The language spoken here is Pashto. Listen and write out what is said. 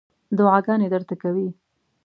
دعاګانې درته کوي.